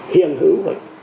hiền hữu vậy